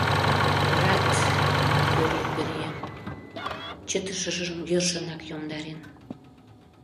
— Рат! — кӱрльӧ пӧръеҥ, чытышыжым йӧршынак йомдарен.